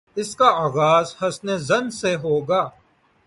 اس کا آغاز حسن ظن سے ہو گا۔